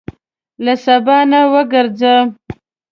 له سبا نه وګرځه.